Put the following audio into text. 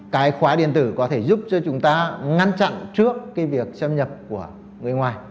cái khóa điện tử có thể giúp cho chúng ta ngăn chặn trước cái việc xâm nhập của người ngoài